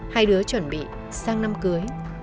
hai đứa chuẩn bị sang năm cưới